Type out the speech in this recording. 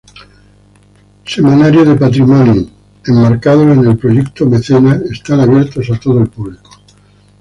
Semanario de Patrimonio: enmarcados en el proyecto Mecenas, están abiertos a todo el público.